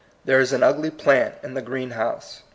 There is an ugly plant in the green house.